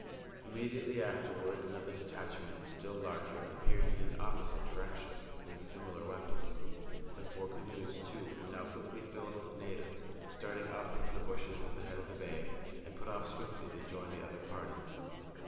Immediately afterward another detachment, still larger, appeared in an opposite direction, and with similar weapons. The four canoes, too, were now quickly filled with natives, starting up from the bushes at the head of the bay, and put off swiftly to join the other parties.